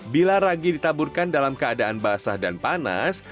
bila ragi ditaburkan dalam keadaan basah dan panas